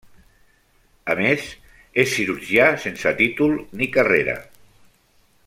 A més, és cirurgià sense títol ni carrera.